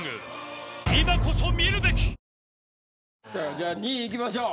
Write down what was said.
じゃあ２位いきましょう。